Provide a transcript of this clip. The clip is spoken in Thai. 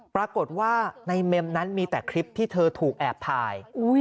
ปรากฏว่าในเมมนั้นมีแต่คลิปที่เธอถูกแอบถ่าย